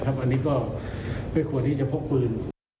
อันนี้ก็ไม่ควรที่จะพกปืน